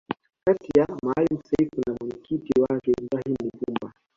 kati ya Maalim Self na mwenyekiti wake Ibrahim Lipumba